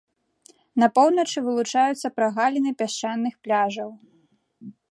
На поўначы вылучаюцца прагаліны пясчаных пляжаў.